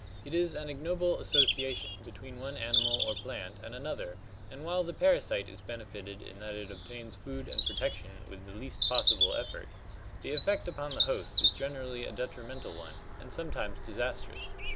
It is an ignoble as sociation be tween one ani ' mal or plant and another and while the parasite is bene fited in that it ■ aQ<* obtains food and protection with the least possible effort, the effect upon the host is gener ally a detrimental one, and sometimes disastrous.